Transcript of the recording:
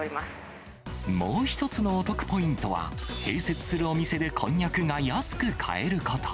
もう一つのお得ポイントは、併設するお店でこんにゃくが安く買えること。